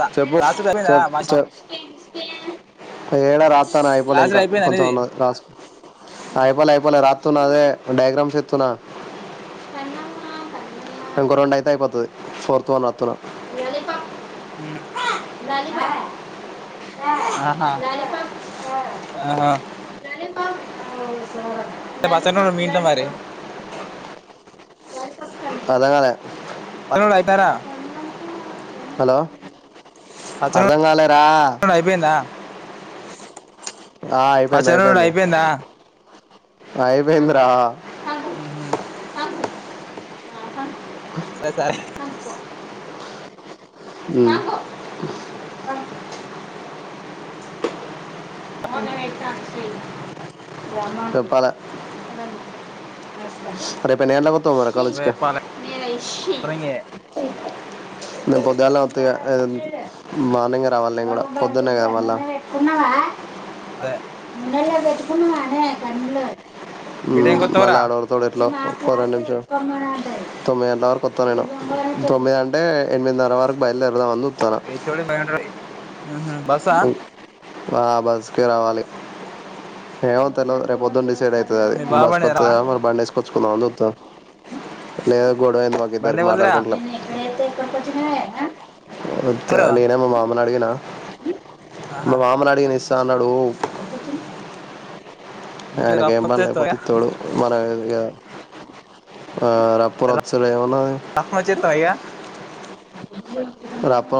రా చెప్పు రాసుడు అయిపోయిందా చెప్ భాష చెప్ ఏడా రాత్తన్న అయిపోలే రాసుడు ఇంకా అయిపోయిందా కొంచెం నీది ఉన్నది రాసు అయిపోలే అయిపోలే రాత్ తున్నా అదే డైగ్రామ్స్ ఎత్తున్న ఇంకో రొండోడైతే అయిపొతది ఫోర్త్ వన్ రాత్తున్న [unintelligible] ఆహా ఆహ మీ ఇంట్లో మరి [unintelligible] అర్దంగాలే అది గూడ్ అయిద్దారా హలో అర్ధం పచ్చనోడు గాలేరా అయిపోయిందా ఆ అయిపోయింది పచ్చనోడు అయిపోయింది అయిపోయిందా అయిపోయింది రా ఉహు సర్ సారి హి హ్ హ్ ఉమ్ చేప్పాలే రేపు ఎన్నిగంట్లక్ పోత్ తవ్ కాలేజ్ కి రేపాలే ఇంగే నేన్ పొద్దుగాల్నే వత్త ఇగ ఆ మార్నింగే రావాల్ నేన్ కూడా పొద్దున్నే కదా మళ్ళ అదే ఉ ఏ టైం కి వత్తవ్ మళ్ళీ రా ఆడు ఒర్రుతడు ఎట్లా ఓ రెండు నిమిషం తొమ్మిది గంటల వరకు వత్త నేను తొమ్మిది అంటే ఎనిమిదిన్నర వరకు బయల్ దెరుదాం అని [unintelligible] ఉహు బస్సా ఆ బస్కే రావాలి ఏమో తెలువదు రేపు పొద్దుండిస్ లేటయితడని అది మీ బావ బండి మీద రావా బస్కోచ్చదా మరి బండి వేసుకొచ్చుకుందాం అని చూస్తానా లేదం గొడవైంది బండి మాకిద్దరికి ఎవలిదిరా మాట్లాడుకుంట్లే ఎవరు [unintelligible] ఏమన్నాడిగినవ ఆహా మా మామ నడిగినా ఇస్తాన్నాడు ఇంట్లో ఆయనక రఫ్ ఏం పని లేకపోతే వచ్చేస్తావా ఇత్తడు మనమేగా ఆ రాపూరోచ్చిరా ఏమన్నా రఫ్ వచ్చేస్తావా ఇగ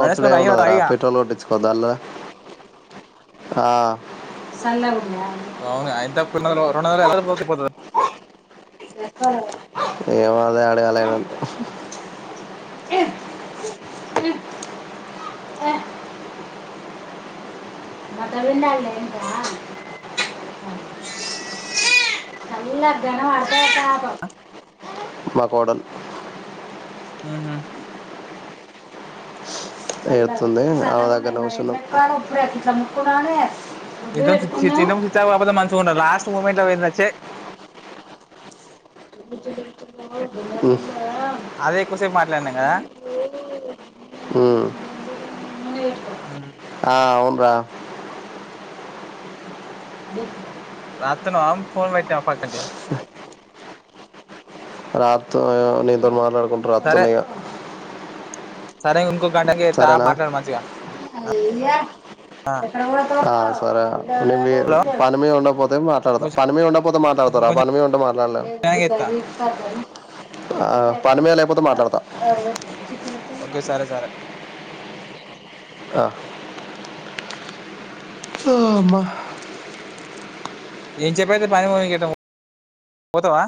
బండి ఏసుకొని రా ఇగ ఏమునదిరా ఇగ పేట్రోల్ కొట్టిచు పోదలే ఆ అవునా ఎంత [unintelligible] ఏమో అదే ఆడుగాలేదు ఇంకా ఏ హు ఏ బట్టలు విండలే ఇకరా కళ్ళక్ గానవడితే పాపమ్ మా కోడల్ హుహు ఏడుతుంది ఆమె దగ్గనే కూసున్న ఇద్దరం చీ చిన్నం చిచపాకపోతే మంచిగా మంచిగుండేది లాస్ట్ మూమెంట్ లో పోయింది చీ ఉ అదే ఎక్కువసెపు మాట్లాడిన్నం కదా ఉమ్. ఆ రా రాతున్నావా ఫోన్ పట్నావా పక్కకీ రాతునా నీతోనీ మాట్లాడుకుంటా సరే రాతున్న ఇగ సరే ఉద్ సరేనా ఆ సరే నువ్వు హలో పనిమీదుండకపోతే మాట్లాడతా ఇంకొంచెం పనిమీద ఉండకపోతే మాట్లాడతారా ఇంకొంచెం పనిమీదుంటే మాట్లాడలేం చేత్తా ఆ పని మీద లేకపోతే మాట్లాడతా ఒకే సరే సరే అ హా అమ్మ [unintelligible] పనికి పోతావా